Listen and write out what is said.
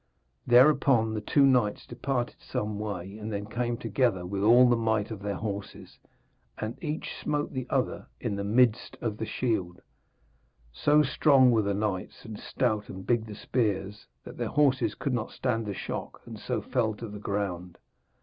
Thereupon the two knights departed some way and then came together with all the might of their horses, and each smote the other in the midst of the shield. So strong were the knights and stout and big the spears, that their horses could not stand the shock, and so fell to the ground.